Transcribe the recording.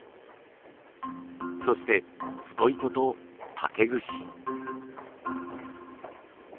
そしてスポイトと竹串。